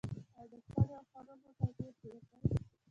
آیا د کلیو او ښارونو توپیر ډیر دی؟